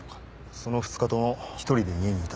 その２日とも１人で家にいた。